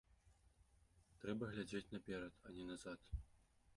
Трэба глядзець наперад, а не назад.